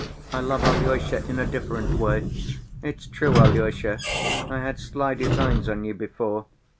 I love Alyosha in a different way. It's true, Alyosha, I had sly designs on you before.